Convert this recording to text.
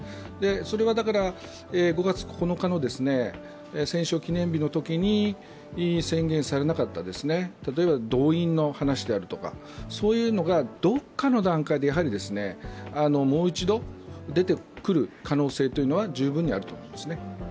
それは５月９日の戦勝記念日のとき宣言されなかった例えば動員の話であるとか、そういうのがどこかの段階でもう一度出てくる可能性というのは十分にあると思いますね。